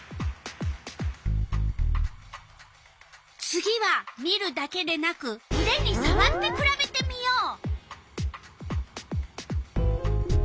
次は見るだけでなくうでにさわってくらべてみよう。